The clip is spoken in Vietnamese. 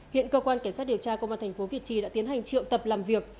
hiện cơ quan cảnh sát điều tra công an tp việt trì đã tiến hành triệu tập làm việc